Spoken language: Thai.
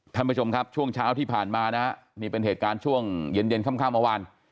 ท่านผู้ชมครับช่วงเช้าที่ผ่านมานะฮะนี่เป็นเหตุการณ์ช่วงเย็นเย็นค่ำเมื่อวาน